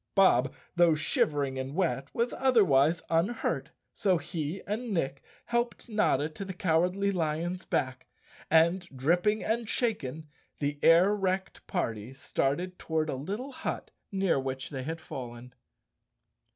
Bob, though shivering and wet, was other¬ wise unhurt, so he and Nick helped Notta to the Cow¬ ardly Lion's back, and, dripping and shaken, the air wrecked party started toward a little hut near which they had fallen.